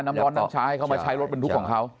น้ำร้อนน้ำชาให้เขามาใช้รถบรรทุกของเขา